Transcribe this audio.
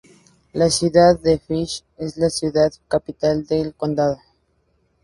La ciudad de Fish es la ciudad capital del condado.